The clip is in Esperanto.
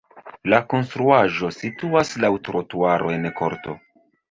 La konstruaĵo situas laŭ trotuaro en korto.